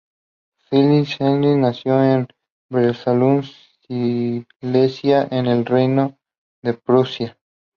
Friedrich Schleiermacher nació en Breslau, Silesia, en el Reino de Prusia.